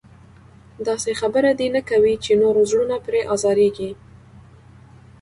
داسې خبره دې نه کوي چې نورو زړونه پرې ازارېږي.